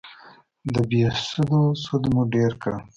د بهسودو سود مو ډېر کړ